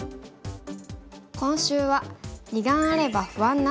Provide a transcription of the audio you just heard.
今週は「二眼あれば不安なし！」です。